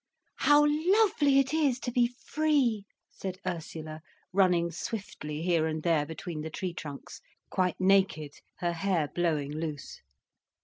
"How lovely it is to be free," said Ursula, running swiftly here and there between the tree trunks, quite naked, her hair blowing loose.